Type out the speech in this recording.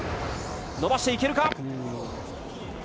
伸ばしていけるか？